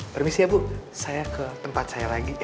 permisi ya bu saya ke tempat saya lagi